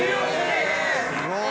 すごい！